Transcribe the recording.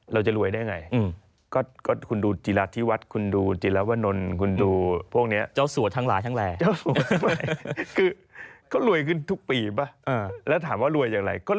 เราจะรวยได้ยังไง